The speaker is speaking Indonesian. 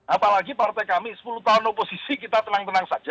apalagi partai kami sepuluh tahun oposisi kita tenang tenang saja